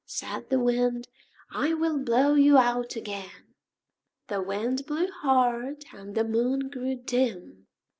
Said the Wind "I will blow you out again." The Wind blew hard, and the Moon grew dim.